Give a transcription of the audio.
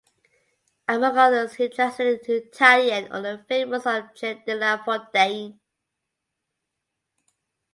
Among others he translated into Italian all the fables of Jean de La Fontaine.